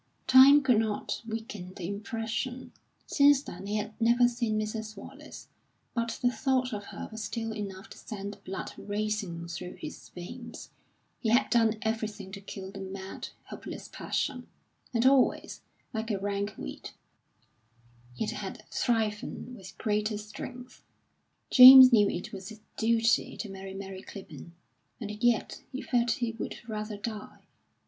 Time could not weaken the impression. Since then he had never seen Mrs. Wallace, but the thought of her was still enough to send the blood racing through his veins. He had done everything to kill the mad, hopeless passion; and always, like a rank weed, it had thriven with greater strength. James knew it was his duty to marry Mary Clibborn, and yet he felt he would rather die.